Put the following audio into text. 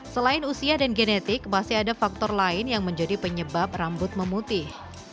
selain usia dan genetik masih ada faktor lain yang menjadi penyebab rambut memutih